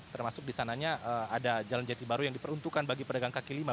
termasuk di sananya ada jalan jati baru yang diperuntukkan bagi pedagang kaki lima